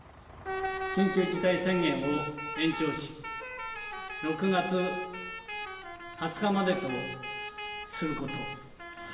緊急事態宣言を延長し、６月２０日までとすること。